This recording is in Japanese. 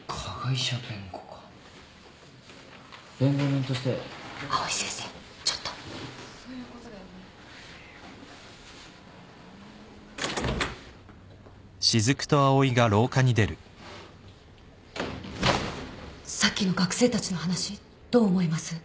さっきの学生たちの話どう思います？